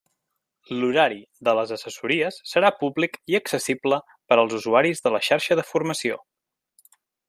L'horari de les assessories serà públic i accessible per als usuaris de la xarxa de formació.